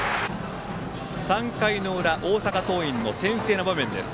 ３回の裏大阪桐蔭の先制の場面です。